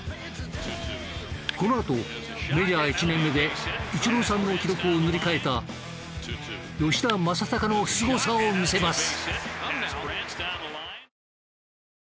このあとメジャー１年目でイチローさんの記録を塗り替えた吉田正尚のすごさを見せます。